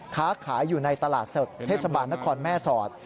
ค้าขายอยู่ในตลาดสดเทศบาลนครแม่สอด